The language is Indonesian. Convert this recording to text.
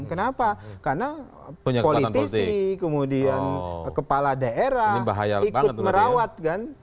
kenapa karena politisi kemudian kepala daerah ikut merawat kan